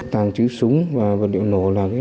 tàng chữ súng và vật điện nổ là